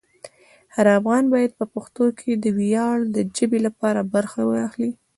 هر افغان باید په پښتو کې د ویاړ د ژبې لپاره برخه واخلي.